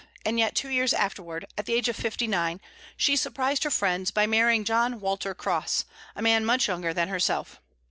And yet two years afterward at the age of fifty nine she surprised her friends by marrying John Walter Cross, a man much younger than herself.